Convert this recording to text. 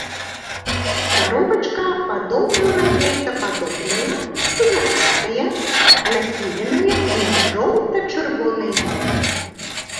Каробачка падоўжана-яйцападобная, гарбатая, нахіленая, на жоўта-чырвонай ножцы.